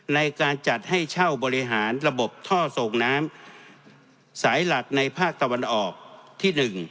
ในการจัดให้เช่าบริหารระบบท่อส่งน้ำสายหลักในภาคตะวันออกที่๑